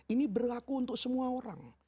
ini berlaku untuk semua orang